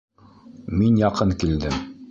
Мин яҡын килдем.